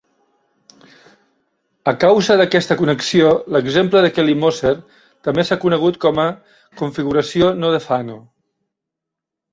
A causa d'aquesta connexió, l'exemple de Kelly-Moser també s'ha conegut com a configuració no de Fano.